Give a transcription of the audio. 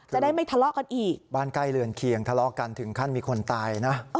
จะได้ไม่ทะเลาะกันอีกบ้านใกล้เรือนเคียงทะเลาะกันถึงขั้นมีคนตายนะ